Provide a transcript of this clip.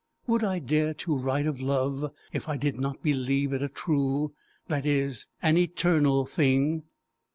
Would I dare to write of love, if I did not believe it a true, that is, an eternal thing!